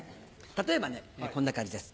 例えばねこんな感じです。